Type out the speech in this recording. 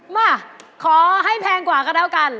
มาขอให้แพงกว่าก็แล้วกัน